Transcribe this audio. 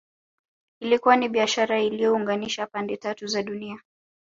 Ilikuwa ni biashara iliyounganisha pande tatu za dunia